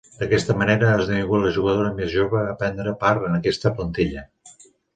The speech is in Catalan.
D'aquesta manera, ha esdevingut la jugadora més jove a prendre part en aquesta plantilla.